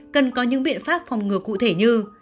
cần có những biện pháp phòng ngừa cụ thể như